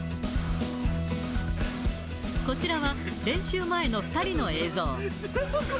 こちらは、練習前の２人の映像。